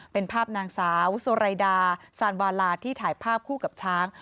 เป็นภาพนางสาวโซไรดาซานวาลาที่ถ่ายภาพคู่กับช้าง